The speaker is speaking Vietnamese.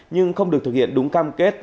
nhưng không được thực hiện đúng cam kết